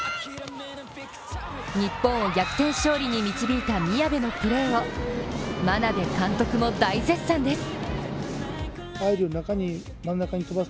日本を逆転勝利に導いた宮部のプレーを眞鍋監督も大絶賛です。